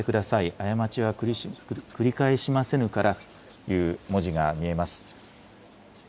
過ちは繰り返しませぬからという文字が見えます。